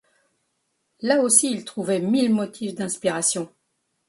Là aussi il trouvait mille motifs d’inspiration.